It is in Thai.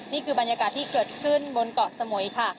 นี่คือบรรยากาศที่เกิดขึ้นบนเกาะสมุยค่ะ